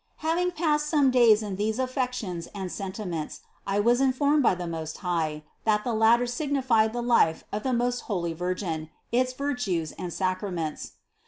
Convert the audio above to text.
Having passed some days in these 30 CITY OF GOD affections and sentiments, I was informed by the Most High, that the ladder signified the life of the most Holy Virgin, its virtues and sacraments.